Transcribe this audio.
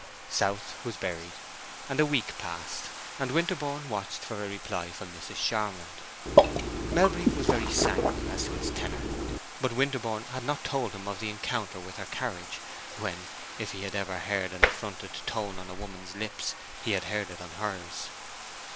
South was buried, and a week passed, and Winterborne watched for a reply from Mrs. Charmond. Melbury was very sanguine as to its tenor; but Winterborne had not told him of the encounter with her carriage, when, if ever he had heard an affronted tone on a woman's lips, he had heard it on hers.